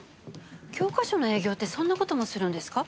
教科書の営業ってそんな事もするんですか？